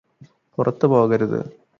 പുറത്ത് പോകരുത്